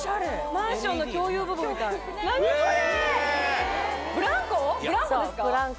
マンションの共有部分みたい何これ！